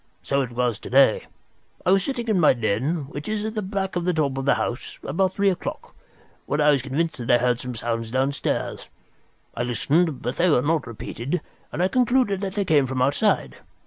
So it was to day. I was sitting in my den, which is at the back of the top of the house, about three o'clock, when I was convinced that I heard some sounds downstairs. I listened, but they were not repeated, and I concluded that they came from outside.